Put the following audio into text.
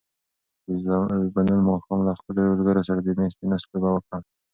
زه به نن ماښام له خپلو ملګرو سره د مېز تېنس لوبه وکړم.